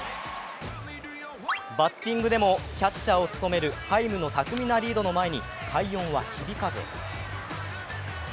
バッティングでもキャッチャーを務めるハイムの巧みなリードの前に快音は響かず。